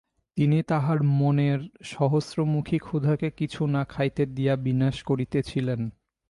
তিনি তাঁহার মনের সহস্রমুখী ক্ষুধাকে কিছু না খাইতে দিয়া বিনাশ করিতেছিলেন।